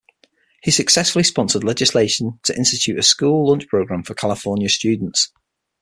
He successfully sponsored legislation to institute a school lunch program for California students.